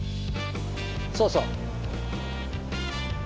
そうそう。